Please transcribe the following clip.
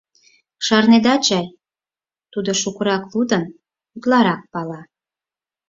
Шарнеда чай: тудо шукырак лудын, утларак пала.